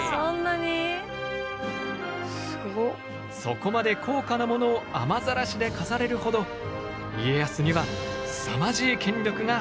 そこまで高価なものを雨ざらしで飾れるほど家康にはすさまじい権力があったのだ。